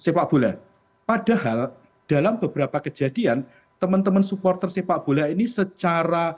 sepak bola padahal dalam beberapa kejadian teman teman supporter sepak bola ini secara